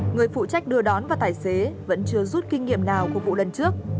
người phụ trách đưa đón và tài xế vẫn chưa rút kinh nghiệm nào của vụ lần trước